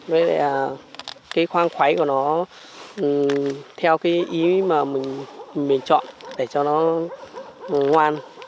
đây là cái khoang khuấy của nó theo cái ý mà mình chọn để cho nó ngoan